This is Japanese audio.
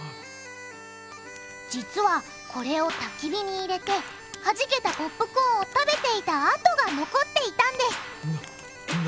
実はこれをたき火に入れてはじけたポップコーンを食べていた跡が残っていたんですななんだって？